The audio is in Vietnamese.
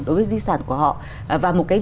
đối với di sản của họ và một cái